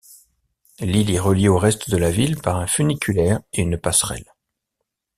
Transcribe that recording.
L’île est reliée au reste de la ville par un funiculaire et une passerelle.